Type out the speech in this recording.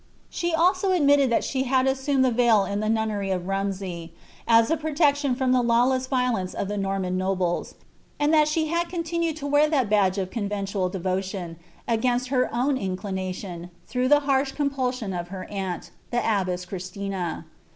* She also admitted that she had a.«sumed the veil in the nunnery «f Ruinsey, as a protection from the lawless violence of the Notma nobles, and that she had continued to wear that badge of onveati^ devotion, against her own inclination, through the harsh compulsiofl t# her annt, the abbess Christina.